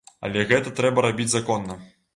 Але гэта трэба рабіць законна.